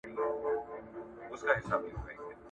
هغه مفاهيم چي ټولنپوهنې ته راغلل، فلسفي دي.